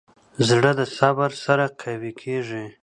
زړه د صبر سره قوي کېږي.